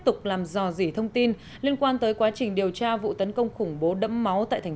tục làm dò dỉ thông tin liên quan tới quá trình điều tra vụ tấn công khủng bố đẫm máu tại thành